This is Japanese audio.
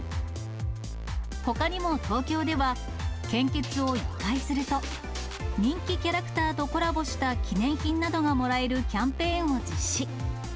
ほかにも東京では、献血を１回すると人気キャラクターとコラボした記念品などがもらえるキャンペーンを実施。